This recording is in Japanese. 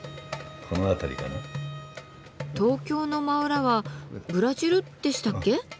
東京の真裏はブラジルでしたっけ？